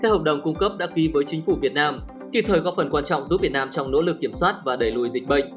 các hợp đồng cung cấp đã ký với chính phủ việt nam kịp thời góp phần quan trọng giúp việt nam trong nỗ lực kiểm soát và đẩy lùi dịch bệnh